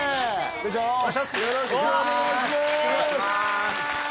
お願いします